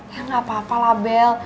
ya gak apa apa lah bel